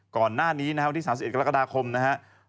ก่อนหน้านี้นะครับวันที่๓๑กรกฎาคมนะครับ